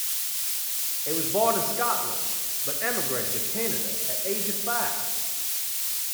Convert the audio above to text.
He was born in Scotland but emigrated to Canada at the age of five.